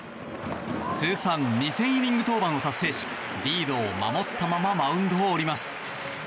通算２０００イニング登板を達成しリードを守ったままマウンドを降ります。